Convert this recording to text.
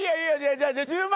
じゃあ１０万